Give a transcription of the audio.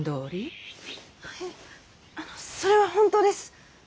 いえあのそれは本当です。